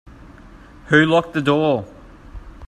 Who locked the door?